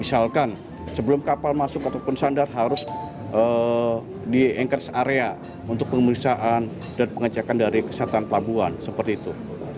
misalkan sebelum kapal masuk ataupun sandar harus di anchors area untuk pemeriksaan dan pengecekan dari kesehatan pelabuhan seperti itu